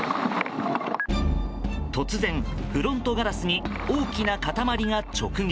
突然、フロントガラスに大きな塊が直撃。